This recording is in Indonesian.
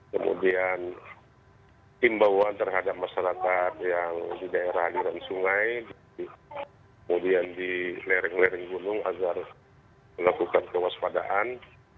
kemudian timbawan terhadap masyarakat yang di daerah aliran sungai kemudian di lereng lereng gunung agar melakukan kewaspadaan